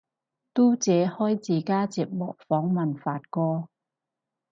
嘟姐開自家節目訪問發哥